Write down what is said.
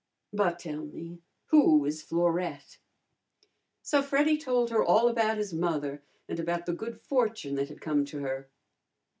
But tell me, who is Florette?" So Freddy told her all about his mother, and about the good fortune that had come to her.